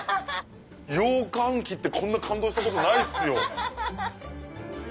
羊羹切ってこんな感動したことないっすよ。